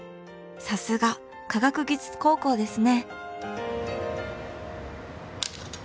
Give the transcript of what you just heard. さすが科学技術高校ですね。